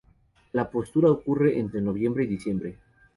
La postura ocurre entre noviembre y diciembre.